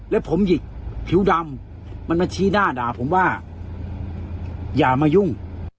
แล้วผมหยิกผิวดำมันมาชี้หน้าด่าผมว่าอย่ามายุ่ง